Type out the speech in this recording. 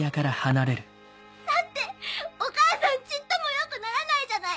だってお母さんちっとも良くならないじゃない。